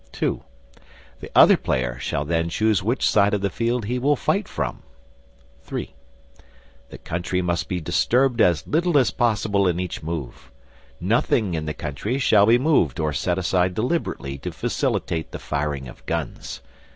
(2) The other player shall then choose which side of the field he will fight from. (3) The Country must be disturbed as little as possible in each move. Nothing in the Country shall be moved or set aside deliberately to facilitate the firing of guns.